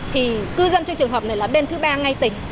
thì cư dân trong trường hợp này là bên thứ ba ngay tỉnh